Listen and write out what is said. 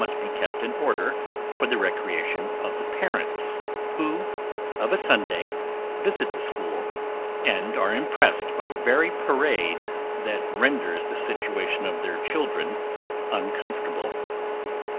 must be kept in order for the recreation of the parents; who, of a Sunday, visit the school, and are impressed by the very parade that renders the situation of their children uncomfortable.